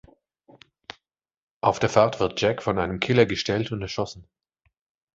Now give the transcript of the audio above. Auf der Fahrt wird Jack von einem Killer gestellt und erschossen.